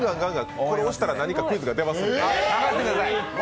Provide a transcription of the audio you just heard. これ押したら何かクイズが出ますので。